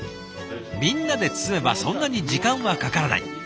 みんなで包めばそんなに時間はかからない。